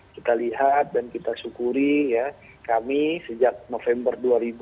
kita lihat dan kita syukuri ya kami sejak november dua ribu dua puluh